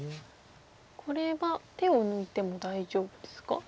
これは手を抜いても大丈夫ですか？